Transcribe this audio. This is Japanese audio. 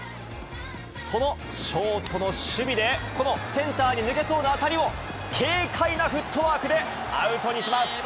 そのショートの守備で、このセンターに抜けそうな当たりを、軽快なフットワークでアウトにします。